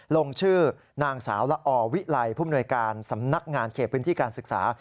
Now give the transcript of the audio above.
ลงชื่อนางสาวละอวิไลผู้มนวยการสำนักงานเขตพื้นที่การศึกษา